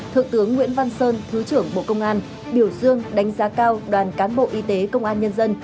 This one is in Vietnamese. thượng tướng nguyễn văn sơn thứ trưởng bộ công an biểu dương đánh giá cao đoàn cán bộ y tế công an nhân dân